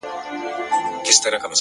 o كله؛ كله يې ديدن تــه لـيونـى سم؛